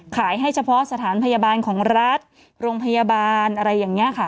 ให้เฉพาะสถานพยาบาลของรัฐโรงพยาบาลอะไรอย่างนี้ค่ะ